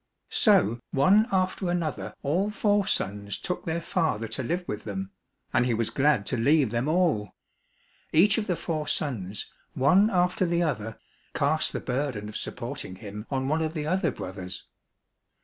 So one after another all four sons took their father to live with them, and he was glad to leave them all. Each of the four sons, one after the other, cast the burden of supporting him on one of the other brothers.